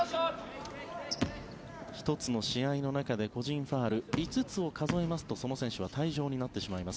１つの試合の中で個人ファウル５つを数えますとその選手は退場になってしまいます。